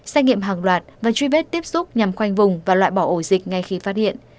xét nghiệm hàng loạt và truy vết tiếp xúc nhằm khoanh vùng và loại bỏ ổ dịch ngay khi phát hiện